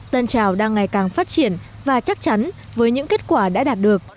tân trào đang ngày càng phát triển và chắc chắn với những kết quả đã đạt được